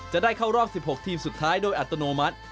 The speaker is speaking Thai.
จะได้เข้ารอบ๑๖ทีมสุดท้ายโดยอัตโนมัติ